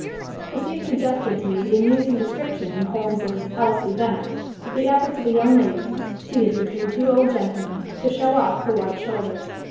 The scene suggested to me the amusing description in Holmes' "Elsie Venner," of the efforts of a young lady, seated between two old gentlemen, to show off her white shoulders.